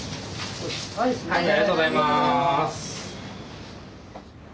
ありがとうございます。